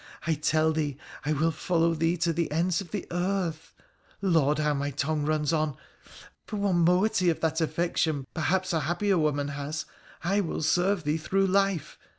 I tell thee I will follow thee to the ends of the earth (Lord ! how my tongue runs on !) For one moiety of that affection perhaps a happier woman has I will serve thee through life.